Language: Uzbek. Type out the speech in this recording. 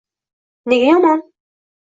–Nega yomon?